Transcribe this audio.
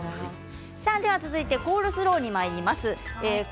続いてコールスローにまいりましょう。